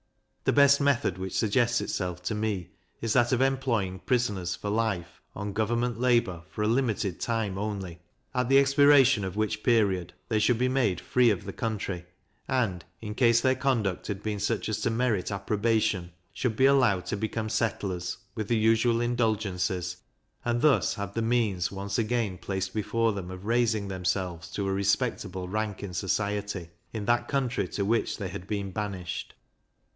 The best method which suggests itself to me, is that of employing prisoners for life on government labour for a limited time only, at the expiration of which period they should be made free of the country, and, in case their conduct had been such as to merit approbation, should be allowed to become settlers, with the usual indulgences, and thus have the means once again placed before them of raising themselves to a respectable rank in society, in that country to which they had been banished.